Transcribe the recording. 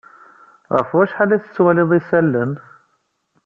Ɣef wacḥal ay tettwaliḍ isalan?